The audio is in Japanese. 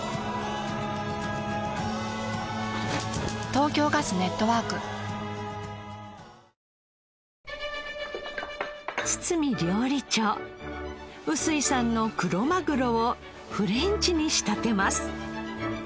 東京ガスグループ堤料理長臼井さんのクロマグロをフレンチに仕立てます。